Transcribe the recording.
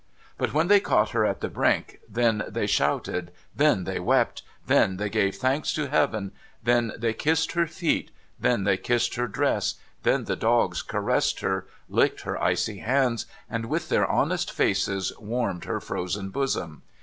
' But when they caught her at the brink, then they shouted, then they wept, then they gave thanks to Heaven, then they kissed her feet, then they kissed her dress, then the dogs caressed her, licked her icy hands, and with their honest faces warmed her frozen bosom